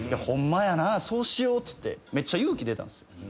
「ホンマやなそうしよう」っつってめっちゃ勇気出たんすよ。